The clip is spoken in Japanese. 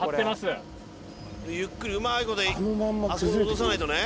ゆっくりうまい事あそこへ落とさないとね。